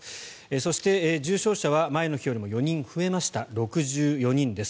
そして、重症者は前の日より４人増えて６４人です。